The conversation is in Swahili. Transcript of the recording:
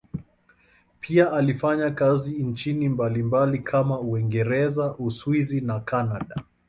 Pia alifanya kazi nchini mbalimbali kama Uingereza, Uswisi na Kanada.